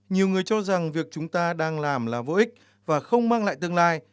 nhiều người cho rằng việc chúng ta đang làm là vô ích và không mang lại tương lai